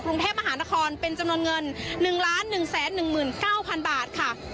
กรุงเทพมหานครเป็นจำนวนเงิน๑๑๑๙๐๐บาทค่ะ